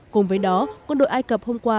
cùng với đó quân đội ai cập hôm qua